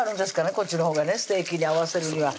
こっちのほうがねステーキに合わせるにはそうです